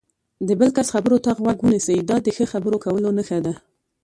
د بل کس خبرو ته غوږ ونیسئ، دا د ښه خبرو کولو نښه ده.